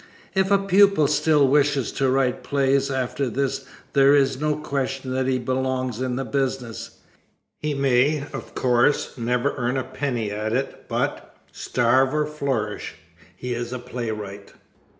If a pupil still wishes to write plays after this there is no question that he belongs in the business. He may, of course, never earn a penny at it but, starve or flourish, he is a playwright.